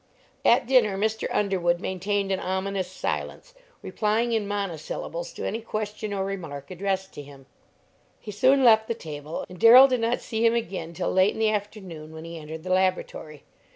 At dinner Mr. Underwood maintained an ominous silence, replying in monosyllables to any question or remark addressed to him. He soon left the table, and Darrell did not see him again till late in the afternoon, when he entered the laboratory.